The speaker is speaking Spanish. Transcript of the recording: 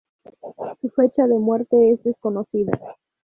Su fecha de muerte es desconocida.